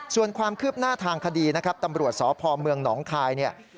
ส่วนความคืบหน้าทางคดีนะครับตำรวจสพเมืองหนองคายเนี่ย